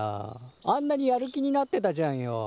あんなにやる気になってたじゃんよ。